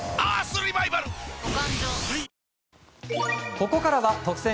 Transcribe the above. ここからは特選！！